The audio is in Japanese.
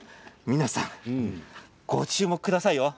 皆さん、ご注目ください